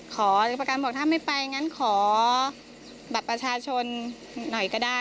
ขอประกันบอกถ้าไม่ไปงั้นขอบัตรประชาชนหน่อยก็ได้